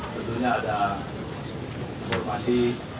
sebetulnya ada informasi